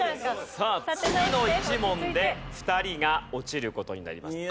さあ次の１問で２人が落ちる事になります。